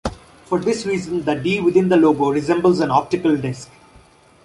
For this reason the "D" within the logo resembles an optical disc.